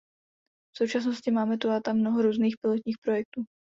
V současnosti máme tu a tam mnoho různých pilotních projektů.